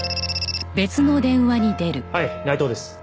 はい内藤です。